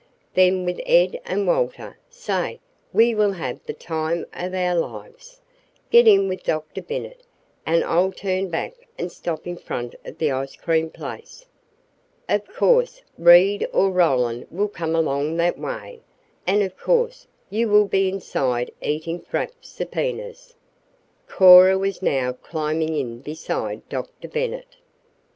Then with Ed and Walter Say, we will have the time of our young lives! Get in with Dr. Bennet, and I'll turn back and stop in front of the ice cream place. Of course, Reed or Roland will come along that way, and of course you will be inside eating frapped subpoenas." Cora was now climbing in beside Dr. Bennet.